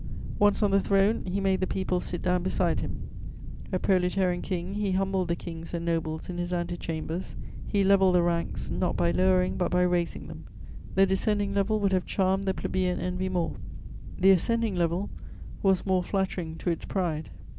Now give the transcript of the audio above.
Once on the throne, he made the people sit down beside him: a proletarian king, he humbled the kings and nobles in his ante chambers; he levelled the ranks, not by lowering but by raising them: the descending level would have charmed the plebeian envy more, the ascending level was more flattering to its pride.